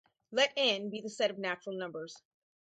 Let N be the set of natural numbers.